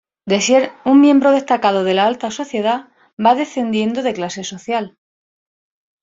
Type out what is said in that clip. De ser un miembro destacado de la alta sociedad va descendiendo de clase social.